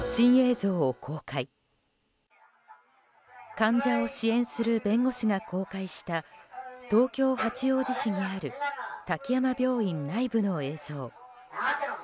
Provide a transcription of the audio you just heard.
患者を支援する弁護士が公開した東京・八王子市にある滝山病院内部の映像。